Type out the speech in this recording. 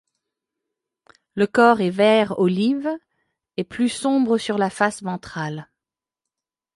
Le corps est vert olive et plus sombre sur la face ventrale.